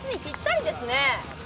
これ、夏にぴったりですね。